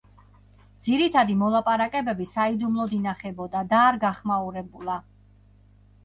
ძირითადი მოლაპარაკებები საიდუმლოდ ინახებოდა და არ გახმაურებულა.